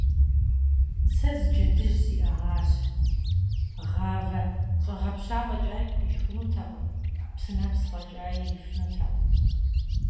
- Сэ зы джэдыжь сиӀэгъащ, гъавэ щӀэгъэпща фӀэкӀа пхуишхынутэкъым, псынэпс фӀэкӀаи ирифынутэкъым.